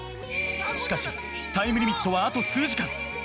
しかしタイムリミットはあと数時間。